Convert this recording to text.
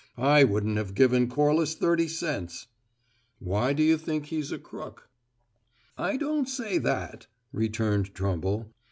I wouldn't have given Corliss thirty cents." "Why do you think he's a crook?" "I don't say that," returned Trumble.